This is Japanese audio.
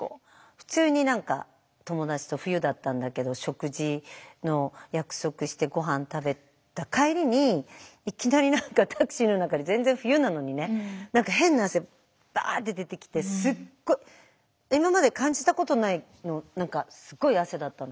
普通に何か友達と冬だったんだけど食事の約束してごはん食べた帰りにいきなりタクシーの中で全然冬なのにね変な汗バーッて出てきてすっごい今まで感じたことないの何かすっごい汗だったの。